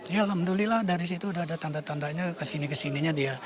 ya alhamdulillah dari situ udah ada tanda tandanya kesini kesininya dia